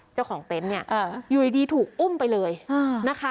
เจ้าของเต็นต์อยู่ดีถูกอุ้มไปเลยนะคะ